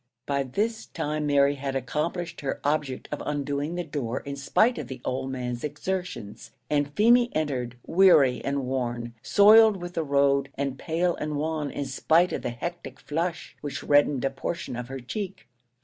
By this time Mary had accomplished her object of undoing the door in spite of the old man's exertions, and Feemy entered weary and worn, soiled with the road, and pale and wan in spite of the hectic flush which reddened a portion of her cheek.